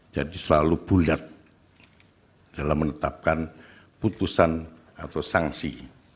jadi selalu bulat dalam menetapkan putusan atau sanksi